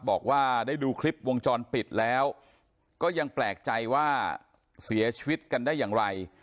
บอกว่าได้ดูคลิปวงจรปิดแล้วก็ยังแปลกใจว่าเสียชีวิตกันได้อย่างไร